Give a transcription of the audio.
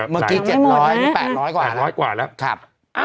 เมื่อกี้๗๐๐นี่๘๐๐กว่าแล้ว